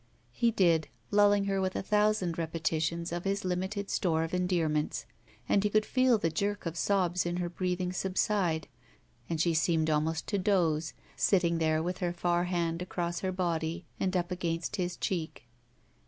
He did, lulling her with a thousand repetitions of his limited store of endearments, and he could feel the jerk of sobs in her breathing subside and she seemed almost to doze, sitting there with her far hand across her body and up against his cheek.